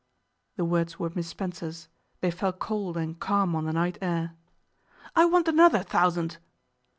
The words were Miss Spencer's. They fell cold and calm on the night air. 'I want another thousand.